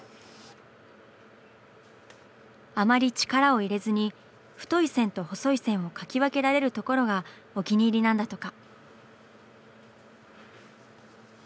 あまり力を入れずに太い線と細い線を描き分けられるところがお気に入りなんだとか。